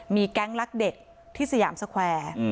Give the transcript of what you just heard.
มีแก๊งลักเด็กที่สยามสแควร์